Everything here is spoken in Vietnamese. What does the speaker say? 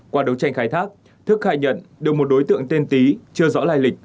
qua đấu tranh khai thác thức khai nhận được một đối tượng tên tý chưa rõ lai lịch